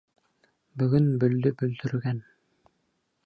Бөгөн бөлдө бөлдөргән!